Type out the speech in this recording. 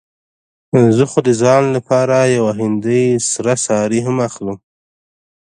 زه خو د ځان لپاره يوه هندۍ سره ساړي هم اخلم.